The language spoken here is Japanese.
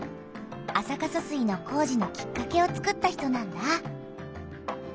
安積疏水の工事のきっかけをつくった人なんだ。